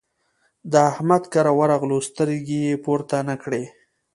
د احمد کره ورغلو؛ سترګې يې پورته نه کړې.